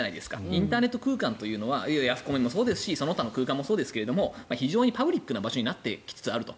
インターネット空間というのはヤフコメもそうですしそのほかのコメントもそうですがパブリックな場所になってきていると。